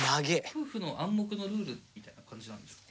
夫婦の暗黙のルールみたいな感じなんですか？